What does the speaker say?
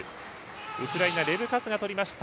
ウクライナ、レブ・カツがとりました。